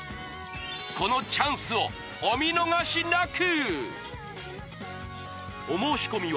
このチャンスをお見逃しなく！